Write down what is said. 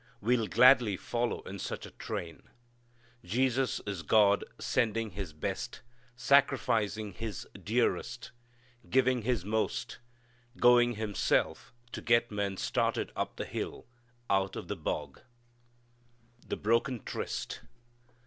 We'll gladly follow in such a train. Jesus is God sending His best, sacrificing His dearest, giving His most, going Himself to get men started up the hill out of the bog. The Broken Tryst.